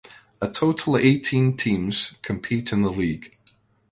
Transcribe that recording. A total eighteen teams compete in the league.